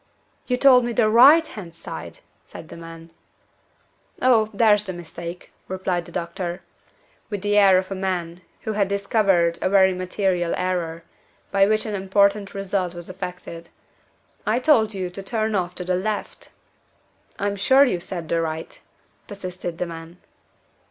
"You told me the right hand side!" said the man. "Oh, there's the mistake," replied the doctor, with the air of a man who had discovered a very material error, by which an important result was affected; "I told you to turn off to the left." "I'm sure you said the right," persisted the man.